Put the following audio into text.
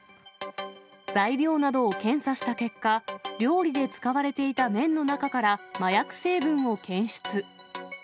材料などを検査した結果、料理で使われていた麺の中から麻薬成分を検出。